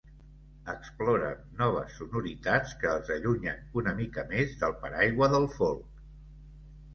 Exploren noves sonoritats que els allunyen una mica més del paraigua del folk.